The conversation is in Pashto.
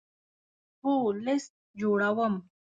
هو، لست جوړوم